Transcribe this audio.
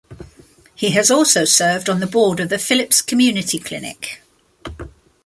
He has also served on the board of the Phillips Community Clinic.